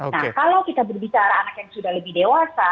nah kalau kita berbicara anak yang sudah lebih dewasa